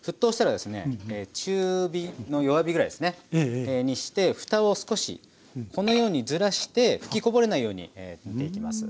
中火の弱火ぐらいにしてふたを少しこのようにずらして吹きこぼれないように煮ていきます。